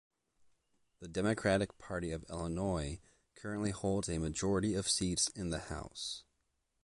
The Democratic Party of Illinois currently holds a majority of seats in the House.